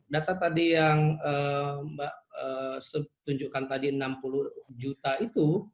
data tadi yang mbak tunjukkan tadi enam puluh juta itu